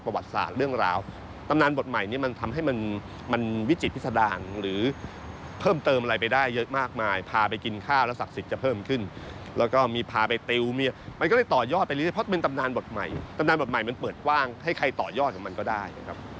เพราะมันตำนานบทใหม่ตำนานบทใหม่มันเปิดกว้างให้ใครต่อยอดกับมันก็ได้